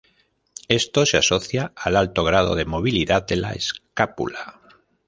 Esto se asocia al alto grado de movilidad de la escápula.